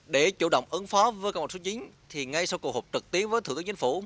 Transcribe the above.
để chủ động ứng phó với cộng hợp số chín thì ngay sau cuộc hợp trực tiếp với thủ tướng chính phủ